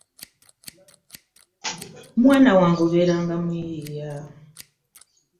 Mwana wnage obeeranga muyiiya .